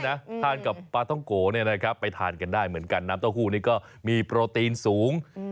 น้ำเต้าหู้ก็ทานได้น้ำเต้าหู้นี่ก็มีโปรตีนสูง